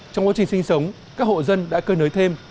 trong lối trình sinh sống các hộ dân đã cơ nới thêm